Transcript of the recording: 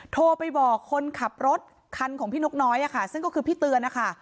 โทรไปบอกคนขับรถคันของพี่นกน้อยค่ะซึ่งก็คือพี่เตือนนะคะ